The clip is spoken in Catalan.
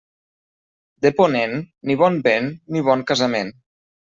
De ponent, ni bon vent ni bon casament.